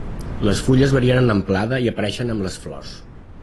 Les fulles varien en amplada i apareixen amb les flors.